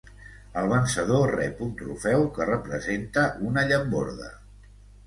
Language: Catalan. El vencedor rep un trofeu que representa una llamborda.